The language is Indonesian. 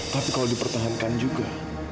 tapi kalau dipertahankan juga